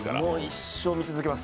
一生見続けます。